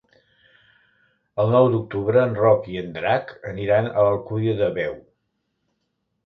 El nou d'octubre en Roc i en Drac aniran a l'Alcúdia de Veo.